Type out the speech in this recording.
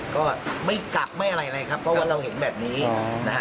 ก็ไม่กักไม่อะไรเลยครับเพราะว่าเราเห็นแบบนี้นะฮะ